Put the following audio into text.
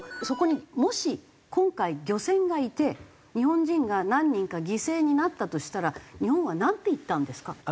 そこにもし今回漁船がいて日本人が何人か犠牲になったとしたら日本はなんて言ったんですか？